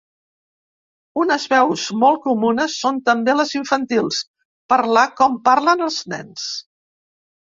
Unes veus molt comunes són també les infantils: parlar com parlen els nens.